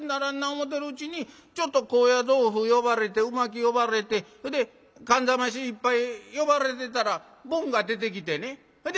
思てるうちにちょっと高野豆腐呼ばれて鰻巻き呼ばれてほで燗冷まし一杯呼ばれてたらボンが出てきてねほで